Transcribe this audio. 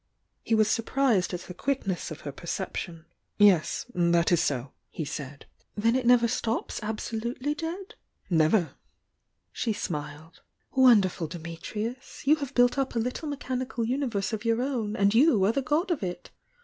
He was surprised at the quickness of her percep tion. "Yes— that is so," he said. ■ i;ii f 288 THE YOUNG DIANA V .f "Then it never stops absolutely dead?" "Never." She smiled. "Wonderful Dimitrius! You have built up a little mechanical universe of your own and you are the god of it!